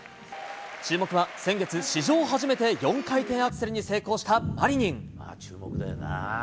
注目は、先月史上初めて４回転アクセルに成功したマリニン。